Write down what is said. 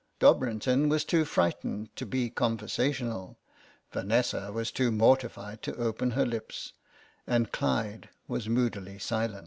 Dobrinton was too frightened to be con versational, Vanessa was too mortified to open her lips, and Clyde was moodily silent.